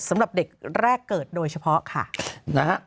สำหรับเด็กแรกเกิดโดยเฉพาะค่ะนะฮะ